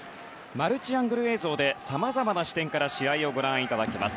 マルチアングル映像でさまざまな視点から試合をご覧いただけます。